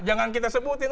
jangan kita sebutin